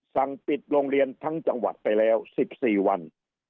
สั่งปิดโรงเรียนทั้งจังหวัดไปแล้ว๑๔วัน